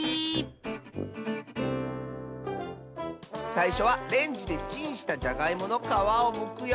さいしょはレンジでチンしたじゃがいものかわをむくよ。